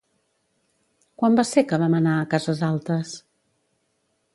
Quan va ser que vam anar a Cases Altes?